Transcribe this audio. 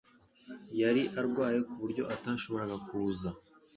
Yari arwaye ku buryo atashoboraga kuza